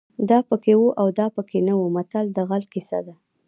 دا پکې وو او دا پکې نه وو متل د غل کیسه ده